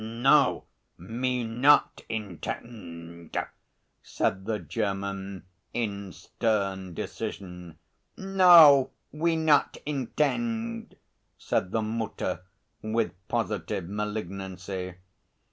"No, me not intend," said the German in stern decision. "No, we not intend," said the Mutter, with positive malignancy.